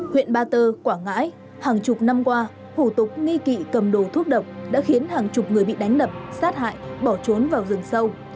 huyện ba tơ quảng ngãi hàng chục năm qua hủ tục nghi kỵ cầm đồ thúc độc đã khiến hàng chục người bị đánh đập sát hại bỏ trốn vào rừng sâu